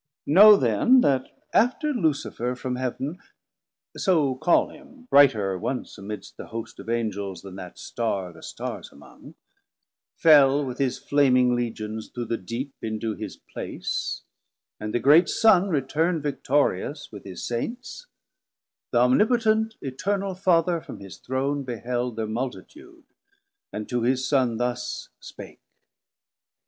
130 Know then, that after Lucifer from Heav'n (So call him, brighter once amidst the Host Of Angels, then that Starr the Starrs among) Fell with his flaming Legions through the Deep Into his place, and the great Son returnd Victorious with his Saints, th' Omnipotent Eternal Father from his Throne beheld Thir multitude, and to his Son thus spake.